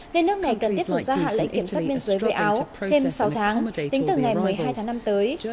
nên nước này cần tiếp tục gia hạn lệ kiểm soát biên giới về áo thêm sáu tháng tính từ ngày một mươi hai tháng năm tới